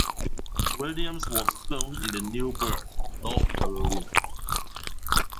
Williams was born in New Bern, North Carolina.